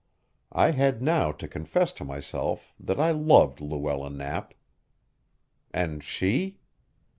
I had now to confess to myself that I loved Luella Knapp. And she?